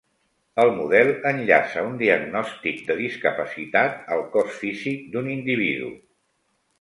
El model enllaça un diagnòstic de discapacitat al cos físic d'un individu.